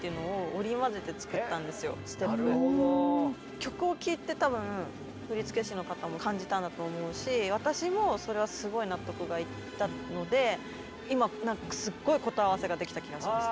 曲を聴いて多分振り付け師の方も感じたんだと思うし私もそれはすごい納得がいったので今なんかすっごい答え合わせができた気がします。